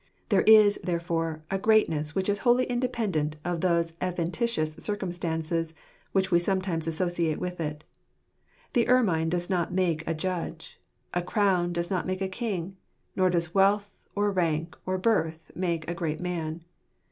There is, therefore, a greatness which is wholly inde pendent of those adventitious circumstances which we sometimes associate with it. The ermine does not make a judge; a crown does not make a king; nor does wealth, or rank, or birth make a great man.